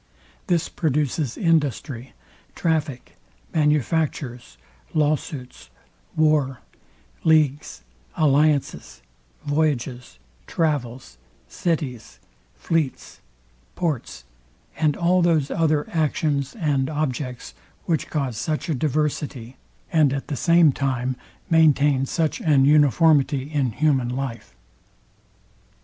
This produces industry, traffic, manufactures, law suits, war, leagues, alliances, voyages, travels, cities, fleets, ports, and all those other actions and objects, which cause such a diversity, and at the same time maintain such an uniformity in human life.